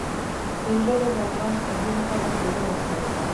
د زړه د ضربان د تنظیم لپاره کیله وخورئ